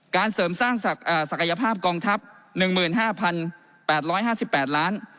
เสริมสร้างศักยภาพกองทัพ๑๕๘๕๘ล้าน